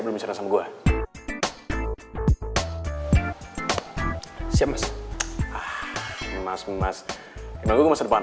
gue suka sih kalau gibran